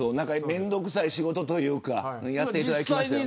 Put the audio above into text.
面倒くさい仕事というかやっていただきましたよね。